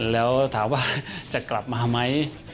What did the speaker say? แล้วถามว่าจะกลับมาไหม